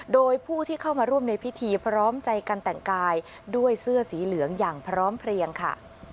โดยผู้ที่เข้ามาร่วมในพิธีพร้อมใจกันแต่งกายด้วยเสื้อสีเหลืองอย่างพร้อมเพลียงค่ะ